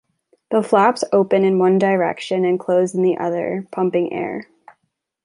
The flaps open in one direction and close in the other, pumping air.